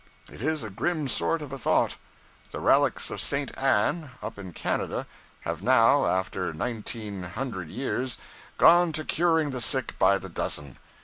It is a grim sort of a thought. The relics of St. Anne, up in Canada, have now, after nineteen hundred years, gone to curing the sick by the dozen.